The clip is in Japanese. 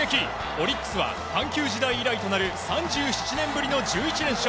オリックスは阪急時代以来となる３７年ぶりの１１連勝。